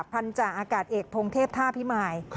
พันธาอากาศเอกพงเทพท่าพิมาย